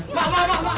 mak mak mak